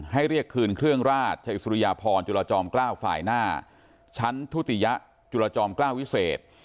ให้เรียกคืนเครื่องราชชะอิสุริยาพรจุลจอม๙ฝ่ายหน้าชั้นทุติยะจุลจอม๙วิเศษ